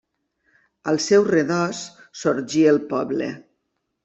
Al seu redòs sorgí el poble.